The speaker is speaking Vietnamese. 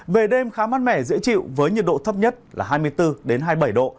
về đêm khá mát mẻ dễ chịu với nhiệt độ thấp nhất là hai mươi bốn hai mươi bảy độ